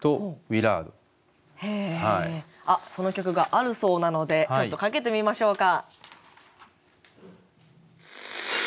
あその曲があるそうなのでちょっとかけてみましょうか。